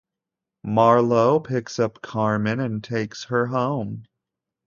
Marlowe picks up Carmen and takes her home.